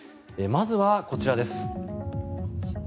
まずは、こちらです。